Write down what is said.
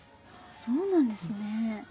そうなんですね。